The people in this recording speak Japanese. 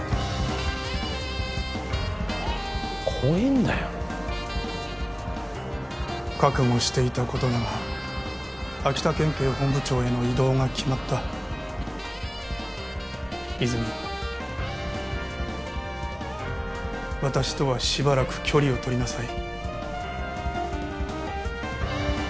怖えんだよ覚悟していたことだが秋田県警本部長への異動が決まった泉私とはしばらく距離をとりなさい